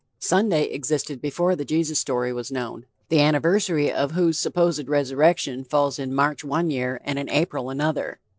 Sunday existed before the Jesus story was known, the anniversary of whose supposed resurrection falls in March one year, and in April another.